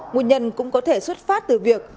nguồn nhân cũng có thể xuất phát từ việc